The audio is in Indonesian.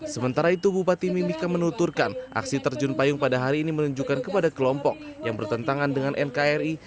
sementara itu bupati mimika menuturkan aksi terjun payung pada hari ini menunjukkan kepada kelompok yang bertentangan dengan nkri